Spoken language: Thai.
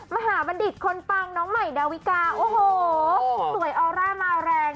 มหาบัณฑิตคนปังน้องใหม่ดาวิกาโอ้โหสวยออร่ามาแรง